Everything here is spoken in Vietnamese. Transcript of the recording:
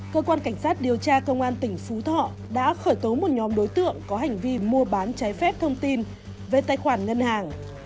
cơ quan cảnh sát điều tra công an tỉnh phú thọ đã khởi tố một nhóm đối tượng có hành vi mua bán trái phép thông tin về tài khoản ngân hàng